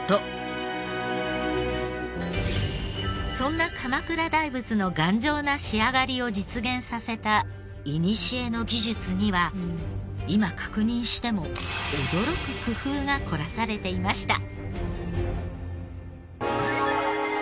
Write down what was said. そんな鎌倉大仏の頑丈な仕上がりを実現させたいにしえの技術には今確認しても驚く工夫が凝らされていました。